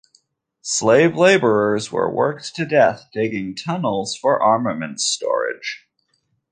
Slave laborers were worked to death digging tunnels for armaments storage.